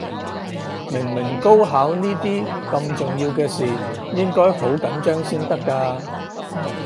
明明高考呢啲咁重要嘅事，應該好緊張先得㗎